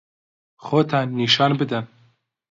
خۆتان نیشان بدەن.